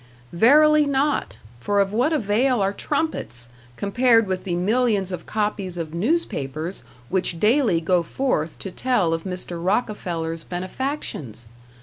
Verily not; for of what avail are trumpets, compared with the millions of copies of newspapers which daily go forth to tell of Mr. Rockefeller's benefactions?